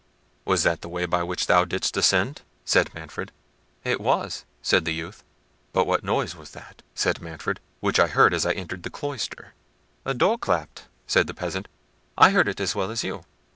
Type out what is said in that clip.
"Was that the way by which thou didst descend?" said Manfred. "It was," said the youth. "But what noise was that," said Manfred, "which I heard as I entered the cloister?" "A door clapped," said the peasant; "I heard it as well as you."